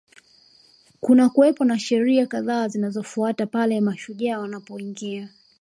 Kunakuwepo na sherehe kadhaa zinazofuatana pale mashujaa wanapoingia